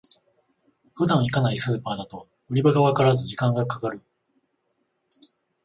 普段行かないスーパーだと売り場がわからず時間がかかる